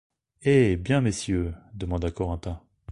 Eh ! bien, messieurs ! demanda Corentin.